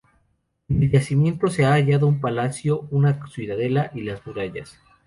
En el yacimiento se han hallado un palacio, una ciudadela y las murallas.